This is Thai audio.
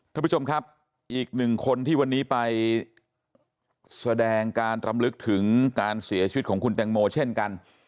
ท่านผู้ชมครับอีกหนึ่งคนที่วันนี้ไปแสดงการรำลึกถึงการเสียชีวิตของคุณแตงโมเช่นกัน